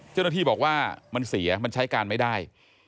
เจ้าหน้าที่บอกว่ามันเสียมันใช้การไม่ได้